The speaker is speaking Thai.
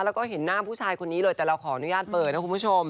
แล้วก็เห็นหน้าผู้ชายคนนี้เลยแต่เราขออนุญาตเปิดนะคุณผู้ชม